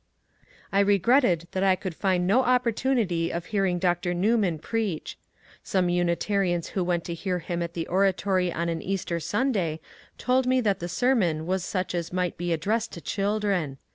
I r^retted that I could find no opportunity of hearing Dr. Newman preach. Some Unitarians who went to hear him at 448 MONCURE DANIEL CONWAY the oratory on an Easter Sunday told me that the sermon was such as might be addressed to children.